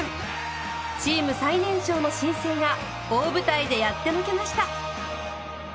チーム最年少の新星が大舞台でやってのけました。